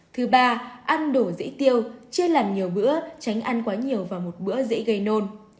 thứ ba ăn đổ rễ tiêu chia làm nhiều bữa tránh ăn quá nhiều vào một bữa dễ gây nôn